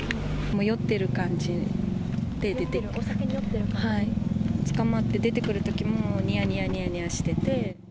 酔っている感じで、出て、捕まって出てくるときもにやにやしてて。